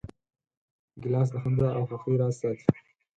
ګیلاس د خندا او خوښۍ راز ساتي.